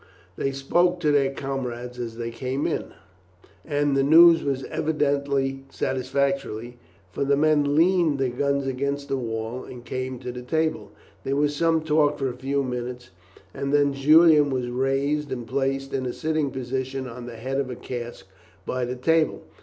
They spoke to their comrades as they came in, and the news was evidently satisfactory, for the men leaned their guns against the wall and came to the table. There was some talk for a few minutes, and then Julian was raised and placed in a sitting position on the head of a cask by the table.